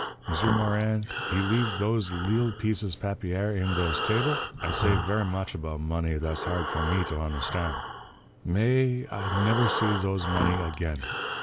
M'sieur Morin, he leave thoze li'l peezes papier in those table, and say ver' much 'bout money thass hard for me to ond'stan. Mais I never see those money again.